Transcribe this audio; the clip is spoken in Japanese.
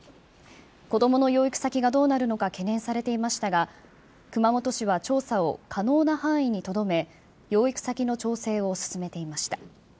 子どもの養育先がどうなるのか、懸念されていましたが、熊本市は調査を可能な範囲にとどめ、養育先の調整を進めていました。